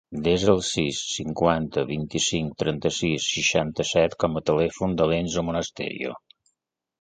Desa el sis, cinquanta, vint-i-cinc, trenta-sis, seixanta-set com a telèfon de l'Enzo Monasterio.